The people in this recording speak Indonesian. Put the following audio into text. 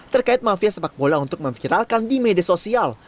terkait mafia sepak bola untuk memviralkan di media sosial